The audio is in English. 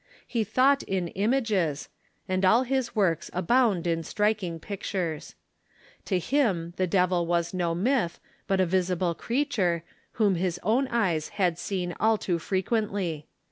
He thought in images, and all his works abound in striking pict ures. To him the devil was no myth, but a visible creature, whom his own eyes had seen all too frequently.